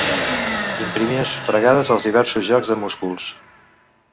Imprimien sotragades als diversos jocs de músculs